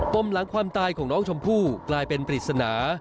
มหลังความตายของน้องชมพู่กลายเป็นปริศนา